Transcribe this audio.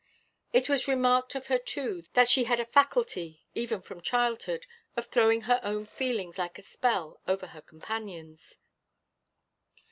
It was remarked of her, too, that she had a faculty, even from childhood, of throwing her own feelings like a spell over her companions.